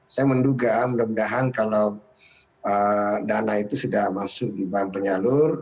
saya menduga mudah mudahan kalau dana itu sudah masuk di bank penyalur